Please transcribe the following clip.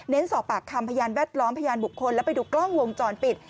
สอบปากคำพยานแวดล้อมพยานบุคคลและไปดูกล้องวงจรปิด